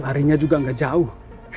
larinya juga gak jauh